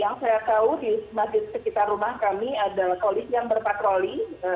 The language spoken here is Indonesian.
yang saya tahu di masjid sekitar rumah kami ada polisi yang berpatroli